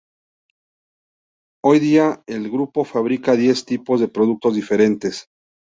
Hoy día el grupo fabrica diez tipos de productos diferentes.